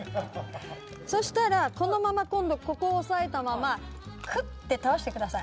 そしたらこのまま今度ここを押さえたままクッて倒してください。